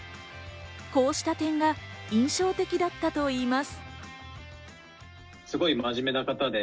こうした点が印象的だったといいます。